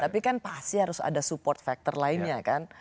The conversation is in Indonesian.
tapi kan pasti harus ada support factor lainnya kan